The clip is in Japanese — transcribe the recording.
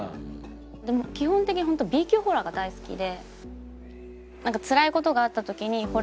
でも基本的に本当Ｂ級ホラーが大好きで。